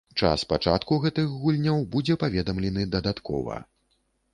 Час пачатку гэтых гульняў будзе паведамлены дадаткова.